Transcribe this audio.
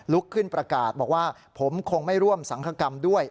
ลุกขึ้นประกาศบอกว่าผมคงไม่ร่วมสังคกรรมด้วย